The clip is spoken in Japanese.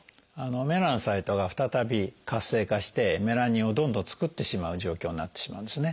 メラノサイトが再び活性化してメラニンをどんどん作ってしまう状況になってしまうんですね。